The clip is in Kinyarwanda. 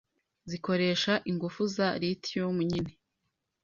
zikoresha ingufu za Lithium nyine